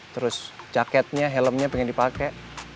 terus jaketnya helmnya pengen dipakai